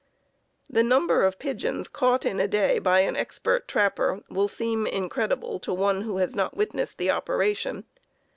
The number of pigeons caught in a day by an expert trapper will seem incredible to one who has not witnessed the operation.